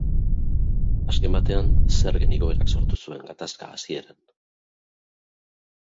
Azken batean, zergen igoerak sortu zuen gatazka hasieran.